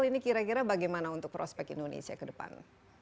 ini kira kira bagaimana untuk prospek indonesia ke depan